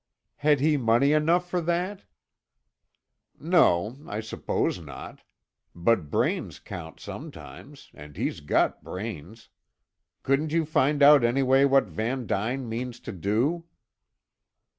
"Had he money enough for that?" "No, I suppose not. But brains count sometimes, and he's got brains. Couldn't you find out anyway what Van Duyn means to do?"